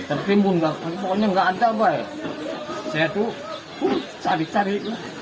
tertimbun pokoknya nggak ada pak saya tuh cari cari